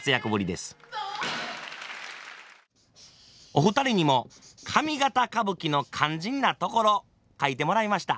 お二人にも上方歌舞伎の肝心なところ書いてもらいました。